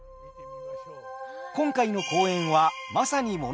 今回の公演はまさに物語の舞台